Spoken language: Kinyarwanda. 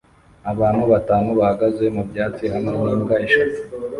Abantu batanu bahagaze mu byatsi hamwe n'imbwa eshatu